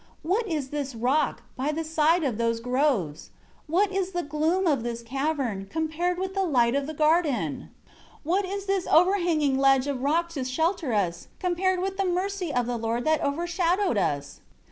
5 What is this rock, by the side of those groves? What is the gloom of this cavern, compared with the light of the garden? 6 What is this overhanging ledge of rock to shelter us, compared with the mercy of the Lord that overshadowed us?